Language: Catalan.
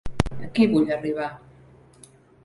Aquí vull arribar.